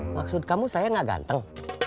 maksud kamu saya gak ganteng